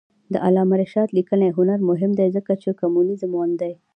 د علامه رشاد لیکنی هنر مهم دی ځکه چې کمونیزم غندي.